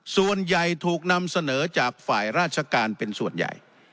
ส่วนใหญ่ถูกนำเสนอจากฝ่ายราชการเป็นส่วนใหญ่